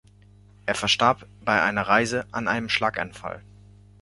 Er verstarb bei einer Reise an einem Schlaganfall.